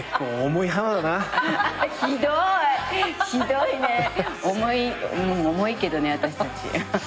重い重いけどね私たち。